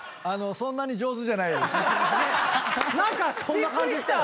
何かそんな感じしたよ。